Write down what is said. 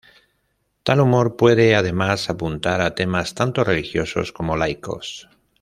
Tal humor puede además apuntar a temas tanto religiosos como laicos.